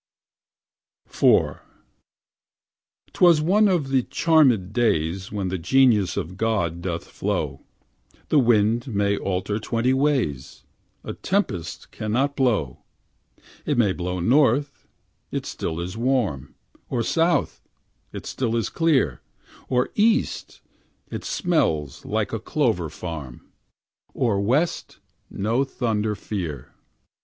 4 'T was one of the charmèd days When the genius of God doth flow; The wind may alter twenty ways, A tempest cannot blow; It may blow north, it still is warm; Or south, it still is clear; Or east, it smells like a clover farm; Or west, no thunder fear.